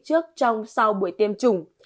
trước trong sau buổi tiêm chủng